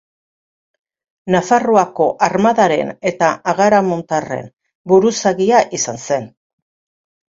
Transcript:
Nafarroako armadaren eta agaramontarren buruzagia izan zen.